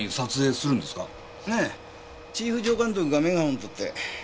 ええチーフ助監督がメガホン取って。